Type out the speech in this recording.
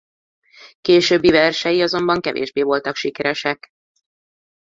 Későbbi versei azonban kevésbé voltak sikeresek.